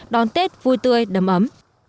đón tết vui tươi đầm ấm